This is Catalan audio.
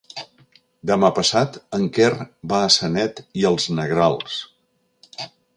Demà passat en Quer va a Sanet i els Negrals.